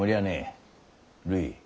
るい。